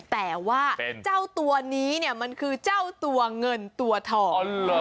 แต่ว่าเจ้าตัวนี้เนี่ยมันคือเจ้าตัวเงินตัวทอง